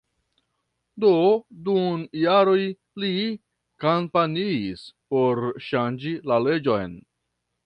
Do dum jaroj li kampanjis por ŝanĝi la leĝon.